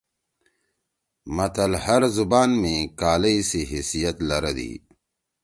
متل ہر زبان می کالئی سی حیثیت لرَدی۔